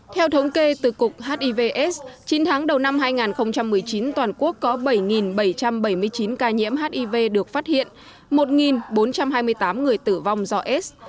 theo thống kê từ cục hivs chín tháng đầu năm hai nghìn một mươi chín toàn quốc có bảy bảy trăm bảy mươi chín ca nhiễm hiv được phát hiện một bốn trăm hai mươi tám người tử vong do s